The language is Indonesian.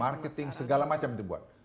marketing segala macam dibuat